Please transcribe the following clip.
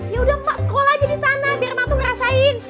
yaudah ma sekolah aja di sana biar ma tuh ngerasain